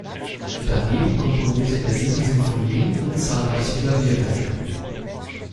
Daneben komponierte er sieben Sinfonien und zahlreiche Klavierwerke.